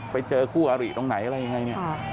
ไปเจอคู่อะไรยังไง